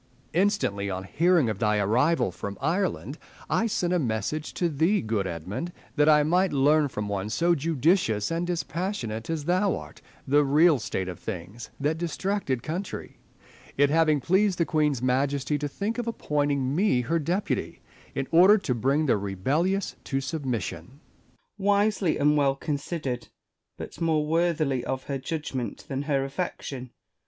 ] Essex. Instantly on hearing of thy arrival from Ireland, I sent a message to thee, good Edmund, that I might learn, from one so judicious and dispassionate as thou art, the real state of things iti that distracted country ; it having pleased the Queen's Majesty to think of appointing me her deputy, in order to bring the rebellious to submission. Spenser. Wisely and well considered ; but more worthily of her judgment than her affection.